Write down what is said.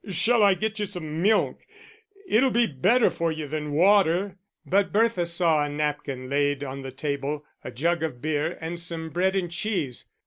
Shall I get you some milk? It'll be better for you than water." But Bertha saw a napkin laid on the table, a jug of beer, and some bread and cheese.